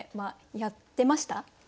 やってましたね。